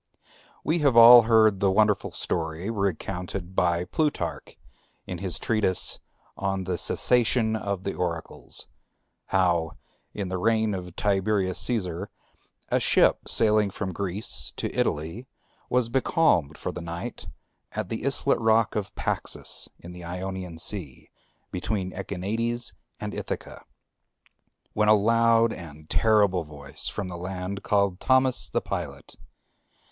We have all heard the wonderful story, recounted by Plutarch in his treatise on the Cessation of the Oracles, how, in the reign of Tiberius Cæsar, a ship sailing from Greece to Italy was becalmed for the night at the islet rock of Paxus in the Ionian Sea, between the Echinades and Ithaca, when a loud and terrible voice from the land called Thamous the pilot.